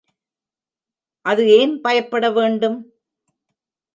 அது ஏன் பயப்படவேண்டும்?